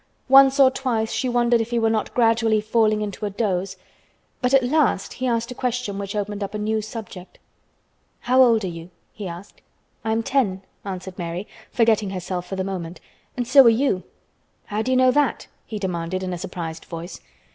Once or twice she wondered if he were not gradually falling into a doze. But at last he asked a question which opened up a new subject. "How old are you?" he asked. "I am ten," answered Mary, forgetting herself for the moment, "and so are you." "How do you know that?" he demanded in a surprised voice.